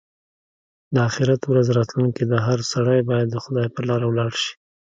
د اخيرت ورځ راتلونکې ده؛ هر سړی باید د خدای پر لاره ولاړ شي.